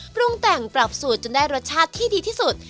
ปรุงแต่งปรับสูตรจนได้รสชาติที่ดีที่สุด